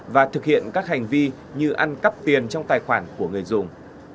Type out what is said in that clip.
và thực hiện các hành vi như ăn cắp tiền trong tài khoản của người dùng